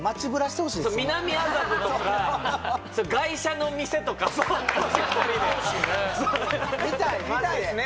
そう南麻布とか外車の店とか２人で見たいマジで見たいっすね